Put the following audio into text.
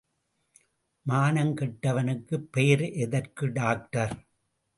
மானங்கெட்டவனுக்குப் பெயர் எதற்கு டாக்டர்?